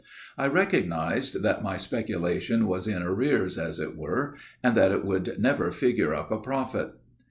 I recognized that my speculation was in arrears, as it were, and that it would never figure up a profit.